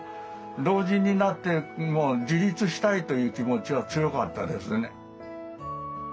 老人になっても自立したいという気持ちは強かったですね。